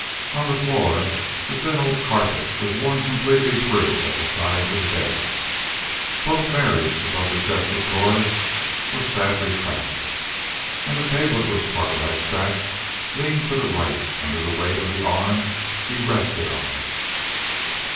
On the floor the thin old carpet was worn completely through at the sides of the beds. Both mirrors above the chest of drawers were sadly cracked, and the table at which Cartwright sat, leaned to the right under the weight of the arm he rested on it.